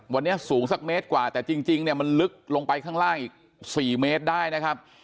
วันนี้สูงสักเมตรกว่าแต่จริงเนี่ยมันลึกลงไปข้างล่างอีก๔เมตรได้นะครับ